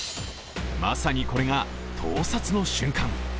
まさにこれが盗撮の瞬間。